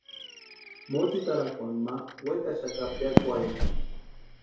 Motsitarakwani ma wekaxaka piakwarhini.